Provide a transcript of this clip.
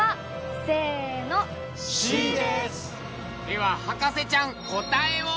では博士ちゃん。